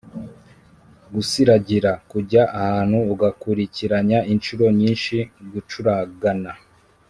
gusiragira: kujya ahantu ugakurikiranya inshuro nyinshi, gucuragana,